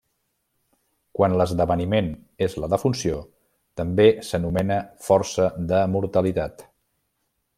Quan l'esdeveniment és la defunció, també s'anomena força de mortalitat.